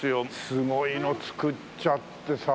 すごいの造っちゃってさ。